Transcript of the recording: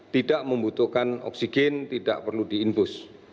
tidak membutuhkan oksigen tidak perlu diinfus